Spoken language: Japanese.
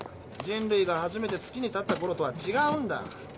人類が初めて月に立ったころとはちがうんだ。